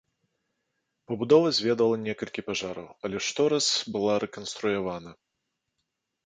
Пабудова зведала некалькі пажараў, але штораз была рэканструявана.